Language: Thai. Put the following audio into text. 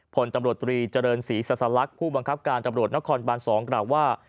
พลตำรวจตรีเจริญศรีสลักษณ์ผู้บังคับการตำรวจนครบาน๒กล่าวว่า